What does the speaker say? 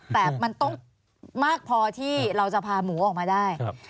แต่มันต้องมากพอที่เราจะพาหมูออกมาได้